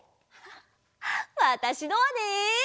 わたしのはね。